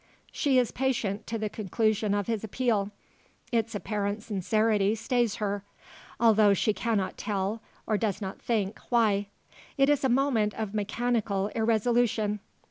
She is patient to the conclusion of his appeal. Its apparent sincerity stays her; though she cannot tell, or does not think, why. It is a moment of mechanical irresolution.